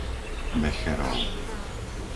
Becherov